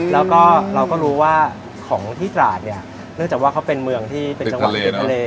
แล้วก็เราก็รู้ว่าของที่ตราดเนี่ยเนื่องจากว่าเขาเป็นเมืองที่เป็นจังหวัดติดทะเล